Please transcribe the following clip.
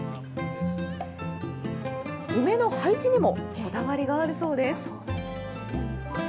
梅の配置にもこだわりがあるそうです。